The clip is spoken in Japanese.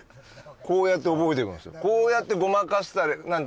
こうやって覚えていくんですよ